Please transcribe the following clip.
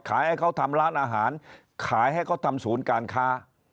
ให้เขาทำร้านอาหารขายให้เขาทำศูนย์การค้า